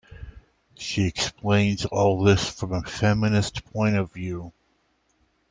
She explains all this from a feminist point of view.